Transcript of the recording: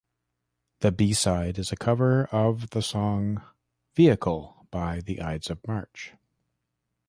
The B-side is a cover of the song "Vehicle" by The Ides of March.